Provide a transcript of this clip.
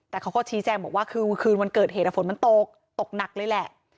แต่เขาก็ชี้แจงบอกว่าคือคืนวันเกิดเหตุฝนมันตกตกหนักเลยแหละ